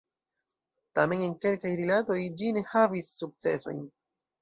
Tamen en kelkaj rilatoj ĝi ne havis sukcesojn.